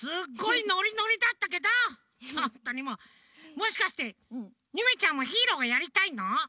もしかしてゆめちゃんもヒーローがやりたいの？